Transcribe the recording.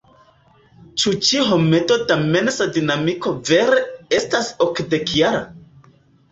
Ĉu ĉi homedo da mensa dinamiko vere estas okdekjara?